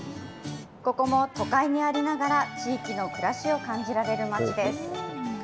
ここも都会にありながら、地域の暮らしを感じられる町です。